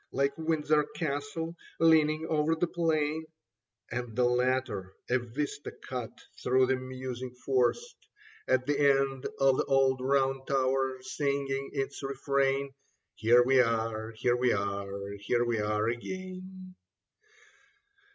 Like Windsor Castle leaning over the plain ; And the letter a vista cut through the musing forest. 62 Leda At the end the old Round Tower, Singing its refrain : Here we are, here we are, here we are again